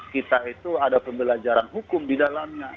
kita itu ada pembelajaran hukum di dalamnya